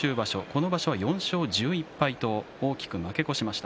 この場所は４勝１１敗と大きく負け越しました。